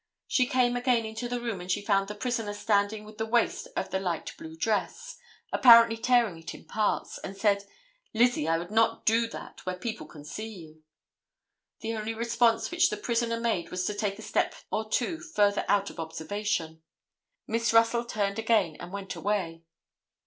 She came again into the room and she found the prisoner standing with the waist of the light blue dress, apparently tearing it in parts, and said, "Lizzie, I would not do that where people can see you." The only response which the prisoner made was to take a step or two further out of observation. Miss Russell turned again and went away.